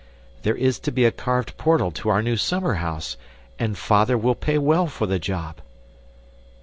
There is to be a carved portal to our new summer house, and father will pay well for the job."